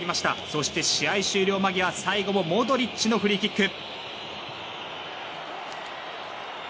そして試合終了間際、最後もモドリッチのフリーキック。